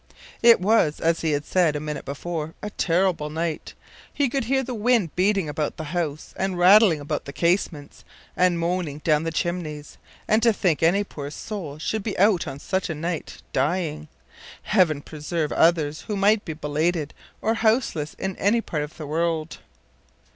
It was, as he had said a minute before, a terrible night. He could hear the wind beating about the house and rattling about the casements and moaning down the chimneys; and to think any poor soul should be out on such a night, dying! Heaven preserve others who might be belated or houseless in any part of the world!